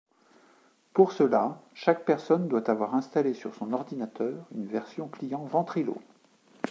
Pour cela, chaque personne doit avoir installé sur son ordinateur une version client Ventrilo.